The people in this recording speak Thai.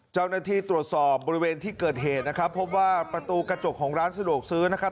เจ้าหน้าที่ตรวจสอบบริเวณที่เกิดเหตุนะครับพบว่าประตูกระจกของร้านสะดวกซื้อนะครับ